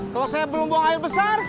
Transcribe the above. kalau saya belum buang air besar